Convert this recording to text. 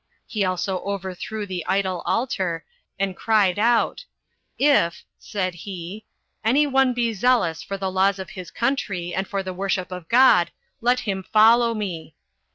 He also overthrew the idol altar, and cried out, "If," said he, "any one be zealous for the laws of his country, and for the worship of God, let him follow me."